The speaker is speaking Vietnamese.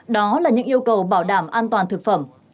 đó là những yêu cầu bảo đảm an toàn thực phẩm